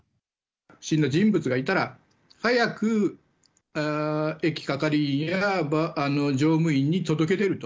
不審な人物がいたら、早く駅係員や乗務員に届け出ると。